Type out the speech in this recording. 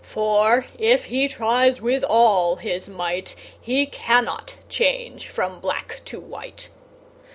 For, if he tries with all his might, He cannot change from black to white."